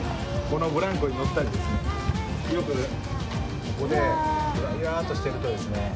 このブランコに乗ったりですねよくここでグラグラとしてるとですね